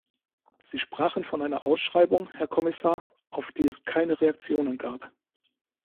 Sie sprachen von einer Ausschreibung, Herr Kommissar, auf die es keine Reaktionen gab.